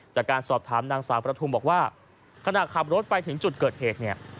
จากการสอบถามนางสาวประทุมบอกว่าขณะขับรถไปถึงจุดเกิดเหตุเนี่ย